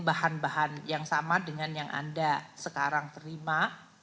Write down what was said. bahan bahan yang sama dengan yang anda sekarang terima